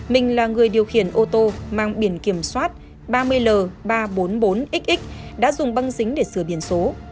mình là người điều khiển ô tô mang biển kiểm soát ba mươi l ba trăm bốn mươi bốn xx đã dùng băng dính để sửa biển số